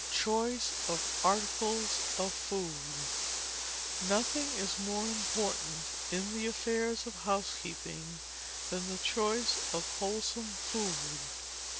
Choice of Articles of Food. Nothing is more important in the affairs of housekeeping than the choice of wholesome food.